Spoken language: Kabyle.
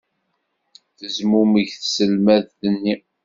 Tezmumeg tselmadt-nni.